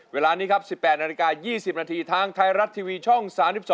เวลานี้ครับ๑๘นาฬิกา๒๐นาทีทางไทยรัฐทีวีช่อง๓๒